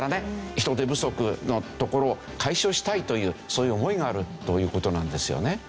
人手不足のところを解消したいというそういう思いがあるという事なんですよね。